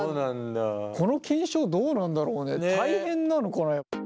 この検証どうなんだろうね大変なのかな？